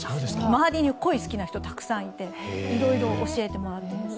周りに鯉が好きな人がいっぱいいていろいろ教えてもらってます。